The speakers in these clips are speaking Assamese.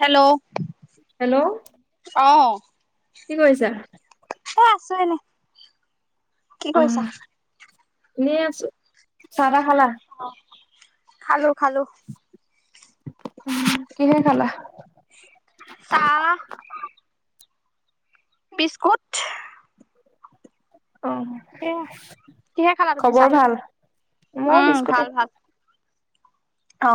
হেল্ল-হেল্ল' হেল্ল' অ, কি কৰিছা? অ, আছো এনে কি কৰিছা? ন আছো চাৰা খালা খালো-খালো উ, কিনে খালা? চা বিস্কুট আহ সেয়া কিহে খালা তুমি চাহ খবৰ ভাল মই উম বিস্তত ভাল তে ভাল অ,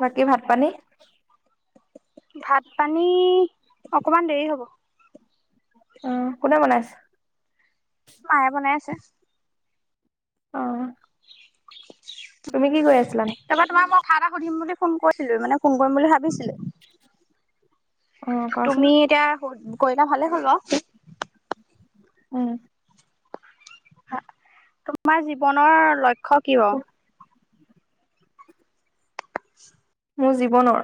বাকী ভাত পানী ভাত পানী অকমান দেৰি হ'ব উম, কোনে বনাইছে? মায়ে বনাই আছে। অ, [inaudible] তুমি কি কৰি আছিলা নু? কঠা এটা সুধিম বুলি ফোন কৰিছিলো মানে ফোন কৰিম বুলি ভাবিছিলে। অ', কোৱাচোন? তুমি এতিয়া কৰিলো ভালে হ'ল অ উম, তোমাৰ জীৱনৰ লক্ষ্য কিয় মোৰ জীৱনৰ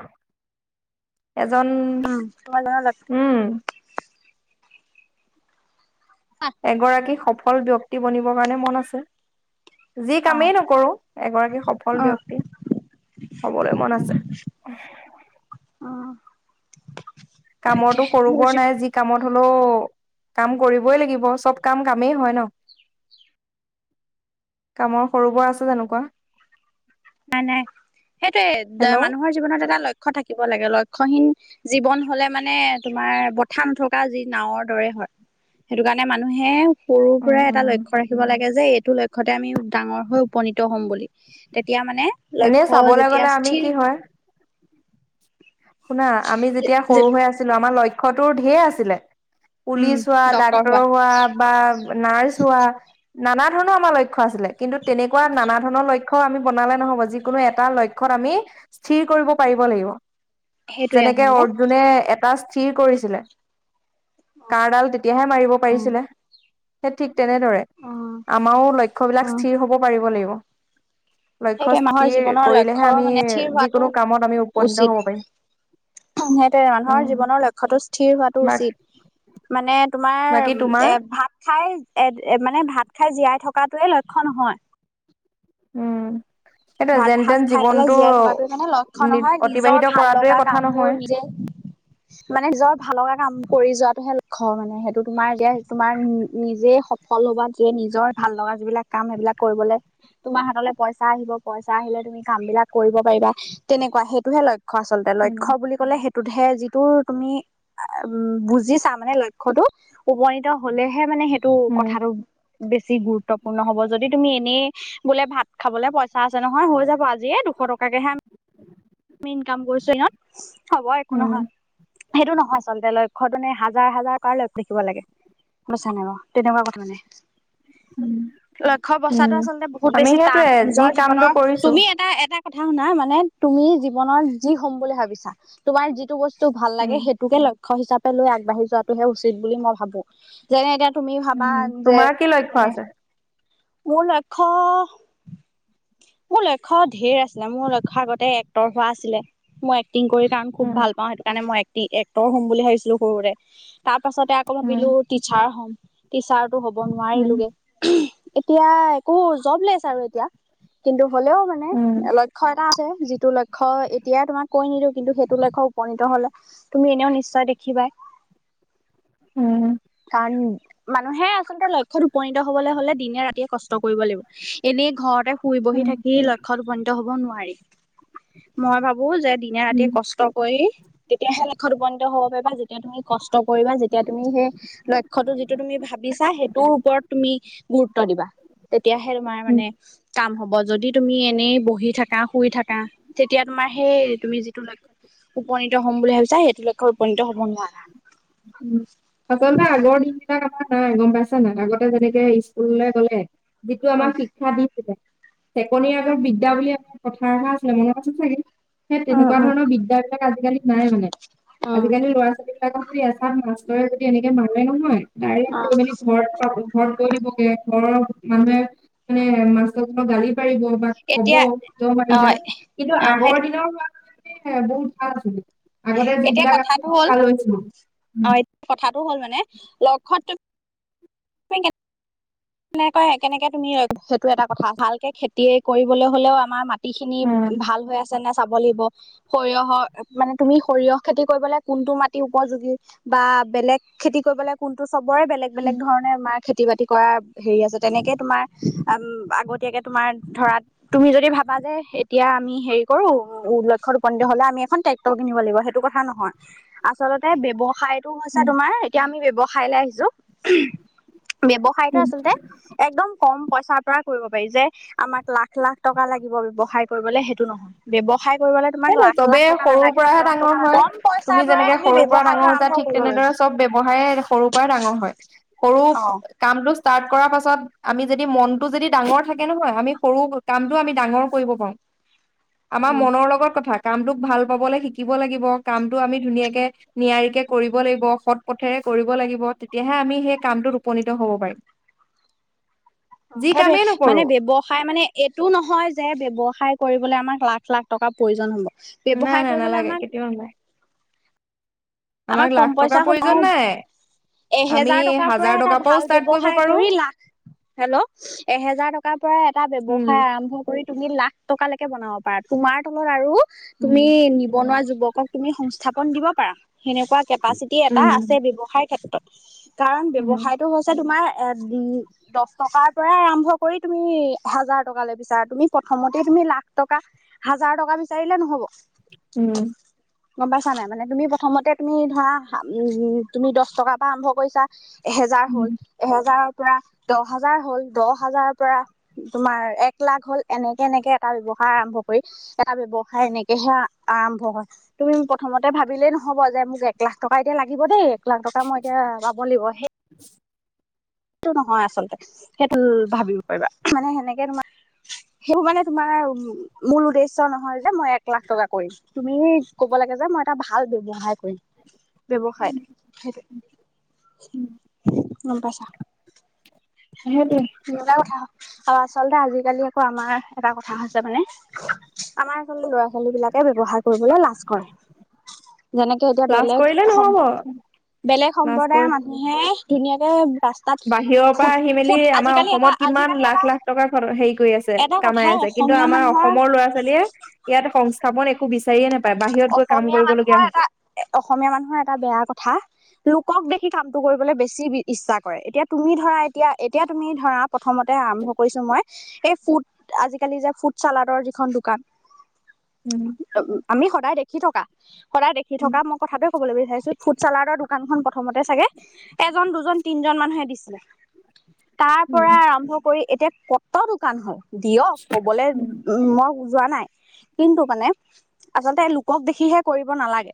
এজন উম তোমাৰ জীৱনৰ লক্ষ্য উম এগৰাকী সফল ব্যক্তি বনিবৰ কাৰণে মন আছে যি অ কামেই নকৰো এগৰাকী সফল উম ব্যক্তি হবলৈ মন আছে। উম তাকে কামৰটো সৰু মোৰ বৰ জীৱ নাই যি কামত হলেও কাম কৰিবই লাগিব চব কাম কামেই হয় ন কামৰ সৰু বৰ আছে যানো কোৱা নাই নাই সেইটোয়ে হেল্ল'। মানুহৰ জীৱনত এটা লক্ষ্য থাকে থাকিব লাগে লক্ষ্যহীন জীৱন হলে মানে তোমাৰ বথা নথকা যি নাওঁৰ দৰে হয় সেইটো কাৰণে মানুহে সৰুৰ উম পৰাই এটা উম লক্ষ্য ৰাখিব লাগে যে এইটো লক্ষ্যতে আমি ডাঙৰ হৈ উপনীত হ'ম বুলি তেতিয়া মানে এনেই লক্ষ্য চাবলৈ যেতিয়া গ'লে আমি স্থিৰ কি হয় শুনা আমি যেতিয়া সৰু হৈ আছিলো আমাৰ লক্ষ্যতো ঢেৰ আছিলে উম পুলিচ হোৱা ডক্তৰ ডাক্তৰ হোৱা বা নাৰ্চ হোৱা। নানা ধৰণৰ আমাৰ লক্ষ্য আছিলে কিন্তু তেনেকুৱা নানা ধৰণৰ লক্ষ্য- লক্ষ্য আমি বনালে নহব যিকোনো এটা লক্ষ্যত আমি স্থিৰ কৰিব পাৰিব লাগিব সেইটোৱে যেনেকে আচলতে অৰ্জুনে এ স্থিৰ কৰিছিলে কাঁড়ডাল তেতিয়াহে মাৰিব পাৰিছিলে সেই ঠিক তেনেদৰে অ আমাৰো লক্ষ্য বিলাক স্থিৰ হব পাৰিব লাগিব। লক্ষ্য সেইোৱে মানুহৰ স্থিৰ জীৱনৰ কৰিলেহে লক্ষ্য আমি মানে স্থিৰ হোৱাটো যিকোনো কামত আমি উপনীত হ'ব উচিত। পাৰিম সেইটোে মানুহৰ উম জীৱনৰ লক্ষ্যতো স্থিৰ হোৱাটো বাক উচিত মানে তোমাৰ বাকী তোমাৰ এ ভাত খাই মানে ভাত খাই জীয়াই থকা থকাটোৱে লক্ষ্য নহয় উম সেইটো ভাত যেন সাজ তেন খাই পেলাই জীৱনটো জীয়াই থকাটো মানে লক্ষ্য নহয় নিজৰ অতিবাহিত ভাল কৰাটোৱে লগা কথা কাম বোৰ নহয় নিজে মানে নিজৰ ভাল লগা কাম কৰি যোৱাত টোহে লক্ষ্য মানে সেইটো তোমাৰ যে তোমাৰ নিজে সফল হবা যে নিজৰ ভাল লগা যিবিলাক কাম সেইবিলাক কৰিবলে তোমাৰ হাতলৈ পইচা আহিব পইচা আহিলে তুমি কাম বিলাক কৰিব পাৰিবা তেনেকুৱা সেইটোহে লক্ষ্য আচলতে লক্ষ্য উম বুলি ক'লে সেই- টোতহে যিটো তুমি উম বুজি চা মানে লক্ষ্যটোত উপনীত হলেহে মানে সেই- টো উম কথাটো বেছি গুৰুত্বপূৰ্ণ হব যদি তুমি এনেই বোলে ভাত খাবলে পইচা চা আছে নহয় হৈ যাব আজিয়ে দুশ টকা কে হে ইনকাম কৰিছো হ'ব একো নহয় উম সেইটো নহয় আচলতে লক্ষ্যতো নে হাজাৰ হাজাৰ পাৰ লক্ষ্য থাকিব লাগে। বচাটো তেনেকুৱা কথা মানে লক্ষ্য উম বচাটো আচলতে বহুত আমি বেছি টান সেইটোয়ে যি নিজৰ কামটো জীৱনৰ কৰিছো তুমি এটা এটা কথা শুনা মানে তুমি জীৱনত যি হম বুলি ভাবিছা তোমাৰ যিটো বস্তু ভাল লাগে উম সেইটোকে লক্ষ্য হিচাপে লৈ আগবাঢ়ি যোৱাটোহে উচিত বুলি মই ভাবো যেনে এতিয়া তুমি ভাবা উম যে তোমাৰ কি লক্ষ্য মানে আছে মোৰ লক্ষ্য মোৰ লক্ষ্য ঢেৰ আছিলে মোৰ লক্ষ্য আগতে এক্টৰ হোৱা আছিলে মই এক্টিং কৰি কাৰণ খুব উম ভাল পাওঁ সেইটো কাৰণে মই এক্টিং এক্টৰ হ'ম বুলি ভাবিছিলো সৰুতে তাৰ পাছতে আকৌ উম ভাবিলো টিচাৰ হ'ম টিচাৰতটো হ'ব উম নোৱাৰিলোগে এতিয়া একো জব লেছ আৰু এতিয়া কিন্তু হ'লেও মানে উম লক্ষ্য এটা আছে যিটো লক্ষ্য এতিয়াই তোমাক কৈ নিদিও কিন্তু সেইটো লক্ষ্যত উপনীত হলে তুমি এনেও নিশ্চয় দেখিবা দেখিবাই উম কাৰণ মানুহে আচলতে লক্ষ্যত উপনীত হবলৈ হলে দিনে ৰাতিয়ে কষ্ট কৰিব লাগিব এনেই ঘৰতে শুই বহি উম থাকি লক্ষ্যত উপনীত হব নোৱাৰি মই ভাবো যে উম দিনে-ৰাতিয়ে কষ্ট কৰি তেতিয়াহে লক্ষ্যত উপনীত হ'ব পাৰিবা। ‌ যেতিয়া তুমি কষ্ট কৰিবা যেতিয়া তুমি সেই লক্ষ্যটো যিটো তুমি ভাবিছা সেইটোৰ ওপৰত তুমি গুৰুত্ব দিবা, তেতিয়াহে তোমাৰ উম মানে কাম হ'ব যদি তুমি এনেই বহি থাকা, শুই থাকা তেতিয়া তোমাৰ সেই তুমি যিটো লক্ষ্ উপনীত হ'ম বুলি ভাবিছা, সেইটো লক্ষ্যত উপনীত হ'ব নোৱাৰা। আচলতে আগৰ দিন বিলাক আমাৰ নাই গম পাইছা নাই আগতে যেনেকে স্কুললৈ গলে যিটো আমাক উম শিক্ষা দিছিলে চেকনিৰ আগত বিদ্যা বুলি কথা এষাৰ আছিলে মন আছে চাগে? সেই তেনেকুৱা ধৰণৰ বিদ্যা বিলাক আজিকালি নাই মানে উম আজিকালি ল'ৰা-ছোৱালী বিলাকৰ খে আছে। তাত মাষ্টৰে যদি এনেকে মাৰে নহয় অ ডাইৰেক্ট গৈ মেলি ঘৰত পাবহি। ঘৰত কৈ দিবগে ঘৰৰ মানুহে মানে মাষ্টৰক গালি পাৰিব বা কব এতিয়া কিয় অ মাৰিলা? কিন্তু অ আগৰ সেইটো দিনৰ সেয়ে বহুত ভাল আছিলে আগতে এতিয়া যিবিলাক কথাটো আছিলে হ'ল ভাল হৈছিলে। অ এতিয়া কথাটো হ'ল মানে লক্ষ্যত [inaudible] এনেকৈ কেনেকে তুমি সেইটো এটা কথা ভালকে খেতি কৰিবলৈ হলেও আমাৰ ম খিনি ভাল হৈ আছে যেনে চাব লাগিব সৰিয়হৰ মানে তুমি সৰিয়হ খেতি কৰিবলে কোনটো মাটি উপযোগী বা বেলেগ খেতি কৰিবলে কোনটো চবৰে বেলেগ বেলেগ ধৰণে আমাৰ খেতি-বাতি কৰা হেৰি আছে তেনেকে তোমাৰ আগতীয়াকে তোমাৰ ধৰা তুমি যদি ভাবা যে এতিয়া আমি হেৰি কৰোঁ লক্ষ্যত উপনীত হলে, আমি এ ট্ৰেক্টৰ কিনিব লাগিব সেইটো কথা নহয় আচল ব্যৱসায়টো হৈছে উম তোমাৰ, এতিয়া আমি বয়স আহিছোঁ আচলতে একদম কম পইচাৰ পৰা কৰিব পাৰি যে আমাক লাখ লাখ টকা লাগিব ব্যৱসায় কৰিবলে সেইটো নহয়। ব্যৱসায় কৰিবলৈ সেই তোমাক লাখ লাখ চবেই টকা সৰুৰ নালাগে, পৰাহে ডাঙৰ হয় কম তুমি পইচাৰ পৰাই যেনেকে তুমি সৰুৰ পৰা ডাঙৰ ব্যৱসায়টো হৈছা আৰম্ভ ঠিক কৰিব তেনেদৰে পাৰিবা। চব ব্যৱসায়ে সৰুৰ পৰা ডাঙৰ হয়, সৰু অ কামটো ষ্টাৰ্ট কৰ পাছত আমি যদি মনটো যদি ডাঙৰ থাকে নহয় আমি সৰু কামটোও আমি ডাঙৰ কৰিব পাৰোঁ। আমাৰ মনৰ লগত কামটোক ভাল পাবলে শিকিব লাগিব, কামটো আমি ধুনীয়াকে নিয়াৰিকে কৰিব লাগিব, সৎ পথে সৎ পথেৰে কৰিব লাগিব তেতিয়াহে আমি সেই কামটোত উপনীত হ'ব পাৰিম। যি সেইটোয়ে কামেই নকৰো মানে ব্যৱসায় মানে এইটো নহয় যে, ব্যৱসায় কৰিবলৈ আমাক লাখ-লাখ টকাৰ প্ৰয়োজন হ'ব নাই ব্যৱসায় নাই কৰিবলৈ নালাগে আমাক কেতিয়াও নাই আমাৰ আমাক লাখ কম টকাৰ পইচা হ'লে প্ৰয়োজন নাই আমি এহেজাৰ টকাৰ পৰা হাজাৰ এটা টকাৰ ভাল পৰাও ষ্টাৰ্ট কৰিব ব্যৱসায় পাৰো কৰি লাখ হেল্ল' এহেজাৰ টকাৰ পৰা এটা উম ব্য্য়ৱসায় আৰম্ভ কৰি তুমি লাখ টকা লৈকে বনাব পাৰা তোমাৰ তলত আৰু তুমি উম, নিবনুৱা যুৱকক তুমি সংস্থাপন দিব সেনেকুৱা কেপাচিটি এটা উম, আছে ব্যৱসায়ৰ ক্ষেত্ৰত, কাৰণ উম, ব্যৱসায়টো হৈছে তোমাৰ এ দু দহ টকাৰ পৰা আৰম্ভ কৰি তুমি হাজাৰ টকা লৈ বিছাৰা তুমি প্ৰথমতে তুমি তুমি লাখ টকা হাজাৰ টকা বিচাৰিলে নহ'ব। উম গম পাইছা নাই মানে তুমি প্ৰথমতে তুমি ধৰা উম তুমি দহ টকাৰ পৰা আৰম্ভ কৰিছা। এহেজাৰ হ'ল উম, এহেজাৰ পৰা দহ হাজাৰ হ'ল, দহ হাজাৰৰ পৰা তোমাৰ এক লাখ হ'ল এনেকে এনেকে এটা ব্যৱসা সায় আৰম্ভ কৰি এটা ব্যৱসায় এনেকেহে আৰম্ভ হয়, তুমি প্ৰথমতে ভাবিলেই নহ‌ হ'ব যে মোক এক লাখ টকা এতিয়া লাগিব দেই, এক লাখ টকা মই এতিয়া পাব লাগিব সেই সেটো নহয় আচলতে, সেইটো ভাবিব পাৰিবা মানে সেনেকে তোমাৰ সেইবোৰ মানে তোমাৰ মূল উদ্দেশ্য নহয় যে মই এক লাখ টকা কৰিম তুমি ক'ব লাগে যে মই এটা ভাল ব্যৱসায় সহায় কৰিম ব্যৱসায় সেইটোৱে। উম গম পাইছা? সেইটোৱে [inaudible] আৰু আচলতে আজিকালি আৌ আমাৰ এটা কথা হৈছে মানে আমাৰ আচলতে ল'ৰা ছোৱালী বিলাকে ব্যৱ হায় কৰিবলৈ লাজ কৰে [inaudible] যেনেকে এতিয়া লাজ বেলেগ কৰিলে নহ'ব বেলেগ লাজ কৰি সম্প্ৰদায়ৰ মানুহে ধুনীয়াকে ৰাস্তাত বাহিৰৰ পৰা ফুট আহি মেলি ফুট আমাৰ আজিকালি এটা অসমত কিমান আজিকালি লাখ এটা লাখ টকা হেৰি কৰি আছে এটা কামাই কথাই আছে কিন্তু অসমীয়া আমাৰ মানুহৰ অসমৰ ল'ৰা ছোৱালীয়ে ইয়াত সংস্থাপন এক অসমীয়া মানুহৰ এটা হৈছে অসমীয়া মানুহৰ এটা বেয়া কথা লোকক দেখি কামটো কৰিবলৈ বেছি ইচ্ছা কৰে এতিয়া তুমি ধৰা এতিয়া এতিয়া তুমি ধৰা প্ৰথমতে আৰম্ভছ মই এই ফু আজিকালি যে ফু চালডৰ যিখন দোকান উম, আমি সদায় দেখি থকা কৰা দেখি উম, থকা মই কথাটে ক'বলৈ বিচাৰিছো ফুড চালাৰৰ দোকানখন প প্ৰথমতে চাগে এজন দুজন তিনজন মানুহে দিছিলে তাৰ উম, পৰা আৰম্ভ কৰি এতিয়া কত দোকান হয় দিয়ক কবলৈ উ মই বু যোৱা নাই কিন্তু মানে আচলতে লোকক দেখিহে কৰিব নালাগে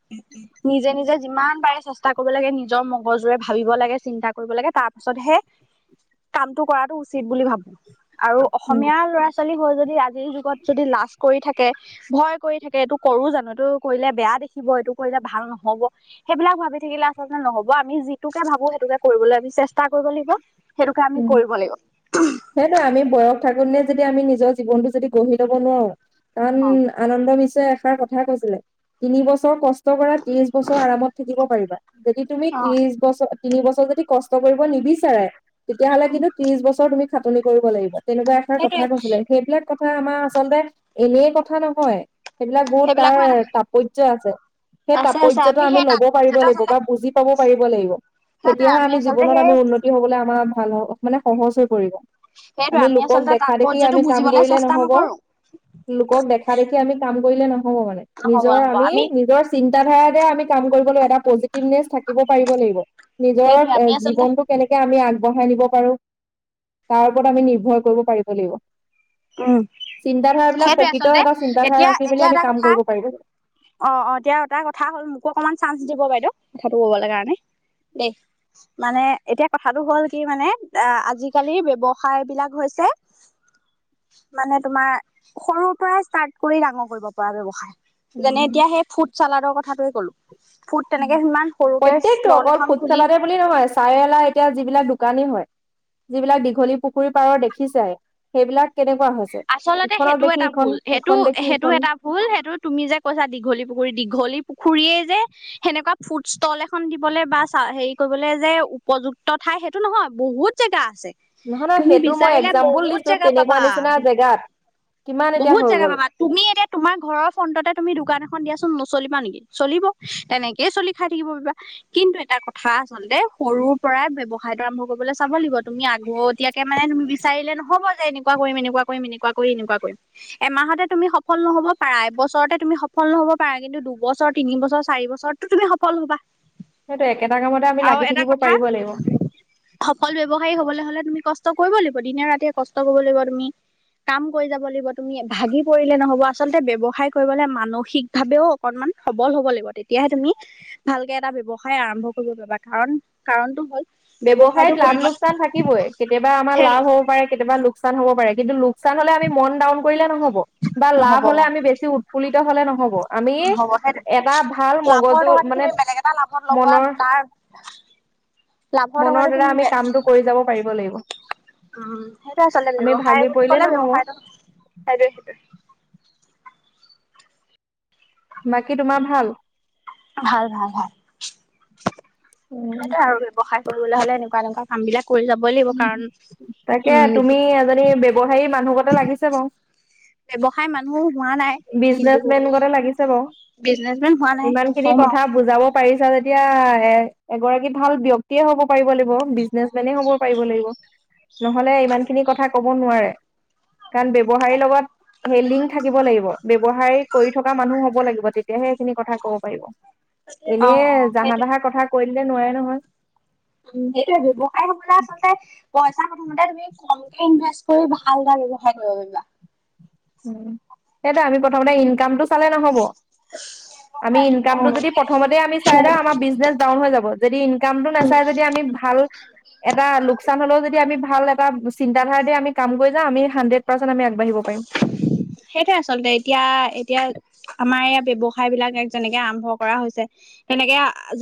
নিজে নিজে যিমান পাৰে চষ্টা কৰিব লাগে নিজৰ মগজুৰে ভাবিব লাগে চিন্তা কৰিব লাগে তাৰ পাছতহে কামটো কৰাটো উচিত বুলি ভাবো আৰু উম, অসমীয়া ল'ৰা ছোৱালী হৈ যদি আজিৰ যুগত যদি লাজ কৰি থাকে ভয় কৰি থাকে এইটো কৰো জানো এইটো কৰিলে বেয়া দেখিব এইটো কৰিলে ভাল নহব সেইবিলাক ভাবি থাকিলে আচলতে নহ'ব আমি যিটোকে ভাবো সেইটোকে কৰিবলৈ আমি চেষ্টা কৰিব লাগিব সেইটোকে আমি উম কৰিব লাগিব সেইটোো আমি বয়স থাকো নে যেয়া দি আমি নিজৰ জীৱনটো যদি গঢ়ি লব নোৱাৰো তান অ আনন্দ মশ এষাৰ কথা কৈছিলে তিনি বছৰ কষ্ট কৰা ত্ৰিশ বছৰ আৰামত থাকিব পাৰিবা যদি তুমি অ ত্ৰিশ বছৰ তিনি বছৰ যদি কষ্ট কৰিব নিবিচাৰে তেতিয়াহ'লে কিন্তু ত্ৰিশ বছৰ তুমি খাটনি কৰিব লাগিব তেনেকুৱা এাৰ সেইটোৱে কথা কৈছিলে সেইবিলাক কথা আমাৰ আচলতে এনেই কথা নহয় সেইবিলাক বহুত সেইবিলাকো এটা তাৰ তাৎাপৰ্য আছে সেই আছে আছে তাৎপৰ্যটো আমি সেই ল'ব পাৰিব তাৎপৰ্যটো লাগিব আচলতে বা বুজি পাব পাৰিব লাগিব সেইটোৱে তেতিয়াহে আমি আচলতে জীৱনত সেই আমি উন্নতি হবলৈ আমাৰ ভাল মানে সহজ হৈ পৰিব সেইটোৱে আমি লোকক আচলতে দেখা দেখি তাৎপৰ্যটো আমি কাম বুজিবলৈ কৰিলে চেষ্টা নহ'ব নকৰো লোকক দেখা দেখি আমি কাম কৰিলে নহব মানে নহব নিজৰ নহব আমি নিজৰ চিন্তা চিাধাৰাৰে আমি কাম কৰিবলৈ এটা পজিটিভনেছ থাকিব পাৰিব লাগিব নিজৰ সেইটোৱে এ আমি আচলতে জীৱনতটো কেনেকে আমি আগ বঢ়াই নিব পাৰো তাৰ ওপৰত আমি নিৰ্ভৰ কৰিব পাৰিব লাগিব উম চিন্তাধাৰা বিলাক সেইটোৱে প্ৰকৃত আচলতে এটা চিন্তাধাৰা এতিয়া ৰাখি মেলি এতিয়া আমি এটা কাম কথা কৰিব পাৰিব লাগিব। অ অ এতিয়া তাৰ কথা হ'ল মোকো অকমান চান্স দিব বাইদেউ কথাটো কবলৈ কাৰণে দেই মানে এতিয়া কথাটো হ'ল কি মানে অ আজিকালি ব্য্ৱসায় বিলাক হৈছে যে [inaudible] মানে তোমাৰ সৰুৰ পৰা ষ্টাৰ্ট কৰি ডাঙৰ কৰিব পৰা ব্যয়ৱসায় যেনে এতিয়া সেই ফুড চালাডৰ কথাটোৱে ক'লো ফুড তেনেকে সিমান সৰুকে প্ৰত্যেকটো ষ্টল অকল এখন ফুট খুলি চালাতে বুলি নহয় চাৰিেলা এতিয়া যিবিলাক শুকানী হয় যিবিলাক দীঘলী পুখুৰী পাৰৰ দেখিছোই সেইবিলাক কেনেকুৱা হৈছে আচলতে ইখনক সেইটো দেখি এটা ইখন ভুল সেইটো সিখন দেখি সেইটো ইখন এটা ভুল সেইটো তুমি যে কৈছা দীঘলী পুখুৰী দীঘলী পুখুৰীয়ে যে সেনেকুৱা ফুড ল এখন দিবলৈ বাা হেৰি কৰিবলৈ যে উপযুক্ত খাই সেইটো নহয় বহুত জেগা আছে নহয় নহয় তুমি সেইটো মই বিচাৰিলে এক্জাম্পুল বহুত দিছো জেগা তেনেকুৱা পাবা নিচিনা জেগাত কিমান এতিয়া বহুত হৈ জেগা গ'ল বাবা তুমি এতিয়া তোমাৰ ঘৰৰ ফ্ৰটতে তুমি দোকান এখন দিয়া নচলিবা নেকি চলিব তেনেকেই চলি খাই থাকিব পিবা কিন্তু এটা কথা আচলতে সৰু তৰু পৰাই ব্যৱসায়টো আৰম্ভ কৰিবলৈ চাব লাগিব তুমি আগ এতিয়াকে মে তুমি বিচাৰিলে নহ'ব যে এনেকুৱা কৰিম এনেকুৱা ম এনেকুৱা কৰি এনে কৰিম এমাহতে তুমি সফল নহব পাৰা এবছৰতে তুমি সফল নহ'ব পাৰা কিন্তু দুবছৰ তিন বছৰ চাৰি বছৰতো তুমি সফল হবা সেইটো একেটা কামতে আমি আৰু লাগি এটা থাকিব কথা পাৰিব লাগিব সফল ব্যৱসায়ী হবলৈ হলে তুমি কষ্ট কৰিব লাগিব দিনে ৰাতিয়ে কষ্ট কৰিব লাগিব তুমি কাম কৰি যাব লাগিব তুমি ভাগি পৰিলে নহব আচলতে ব্ৱসায় কৰিবলে মানসিক ভাৱেও অকনমান সবল হব লাগিব তেতিয়াহে তুমি ভালকে এটা ব্যৱসায় আৰম্ভ কৰিব পাৰিবা কাৰণ কাৰণটো হ'ল ব্যৱসায়টো ব্যৱসায়ত লাভ কৰিব লোকচান থাকিবই কেতিয়াবা আমাৰ হেৰি লাভ হব পাৰে কেতিয়াবা লোকচান হব পাৰে কিন্তু লোকচান হলে আমি মন ডাউন কৰিলে নহব বা নহ'ব লাভ হলে আমি বেছি উৎফুল্লিত হলে নহব আমি নহ'বহে এটা ভাল লাভৰ মগজুৰ টকাটো মানে তুমি বেলেগ এটা লাভত লগোৱা মনৰ তাৰ লাভৰ মনৰ টকাটো দ্বাৰা তুমি আমি কামটো কৰি যাব পাৰিব লাগিব উম সেইটোে আচল আমি ব্যৱসায় ভাগি বুলি পৰিলে ক'লে নহব ব্যৱসায়টো সেইটোয়ে বাকী তোমাৰ ভাল ভাল ভাল ভাল সেইটোৱে উম আৰু ব্যৱসায় কৰিবলৈ হলে এনেকুৱা এনেকুৱা কাম বিলাক কৰি যাবই লাগিব কাৰণ তাকে উম তুমি এজনী ব্যৱসায়ী মানুহগতে লাগিছে বাৰু ব্যৱসায় মানুহ হোৱা নাই বিজনেচ মেন কিন্তু কৰে লাগিছে বাৰু বিজনেচমেন হোৱা নাই ইমান খিনি হ'ম কথা আৰু। বুজাব পাৰিছা যদি এতিয়া এ এগৰাকী ভাল ব্যক্তিয়ে হ'ব পাৰিব লাগিব বিজনেচ মেনে হ'ব পাৰিব লাগিব নহলে ইমান খিনি কথা ক'ব নোৱাৰে কাৰণ ব্যৱসাৰীৰ লগত সেই লিংক থাকিব লাগিব ব্ৱসায় কৰি থকা মানুহ হব লাগিব তেতিয়াহে সেইখিনি কথা কব পাৰিব অ অ এনেই জাহা সেইটো তাহা কথা কৈ দিলে নোৱাৰে নহয় উম্ সেইটোৱে ব্ৱসায় হবলে আচলতে পইচা প্ৰথমতে তুমি কমফেক্ট ইনভেষ্ট কৰি ভালদৰে ব্যৱসায়ই কৰিব পাৰিবা উম সেইটো আমি প্ৰথমতে ইনকামতটো চালে নহ'ব আমি ইনকামটো যদি প্ৰথম আমি চাইওঁ আমাৰ বিজনেচ ডাউন হৈ যাব যদি ইনকামটো নাচাই যদি আমি ভাল এটা লোকচান হলেও যদি আমি ভাল এটা চিন্তাধাৰাৰে আমি কাম যাম আমি হণ্ড্ৰেট পাৰ্চেণ্ আমি আগবাঢ়িব পাৰিম সেইটো আচলতে এতিয়া এতিয়া আমাৰ এয়া ব্যৱসায় বিলাক এক যেনেকে আৰম্ভ কৰা হৈছে তেনেকে